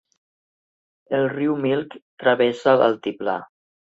El riu Milk travessa l'altiplà.